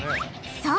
そう！